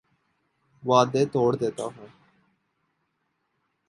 وعدے توڑ دیتا ہوں